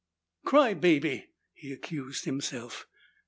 "Cry baby!" he accused himself.